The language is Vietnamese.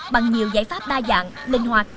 bằng nhiều giải pháp đa dạng linh hoạt